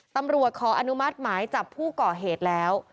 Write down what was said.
ขออนุมัติหมายจับผู้ก่อเหตุแล้ว